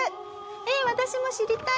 「えっ私も知りたい」